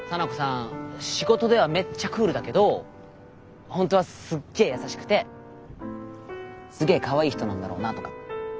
仕事ではめっちゃクールだけど本当はすっげ優しくてすげかわいい人なんだろうなとか。